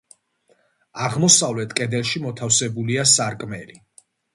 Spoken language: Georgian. აღმოსავლეთ კედელში მოთავსებულია სარკმელი.